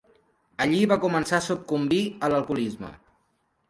Allí va començar a sucumbir a l'alcoholisme.